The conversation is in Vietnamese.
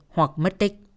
hoặc mất tích